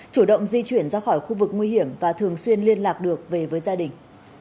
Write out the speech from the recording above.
chủ động di chuyển ra khỏi khu vực nguy hiểm và thường xuyên liên lạc được về với gia đình